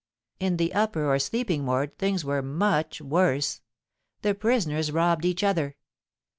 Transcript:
In the upper, or sleeping ward, things were much worse: the prisoners robbed each other.